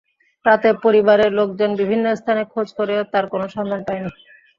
রাতে পরিবারের লোকজন বিভিন্ন স্থানে খোঁজ করেও তাঁর কোনো সন্ধান পাননি।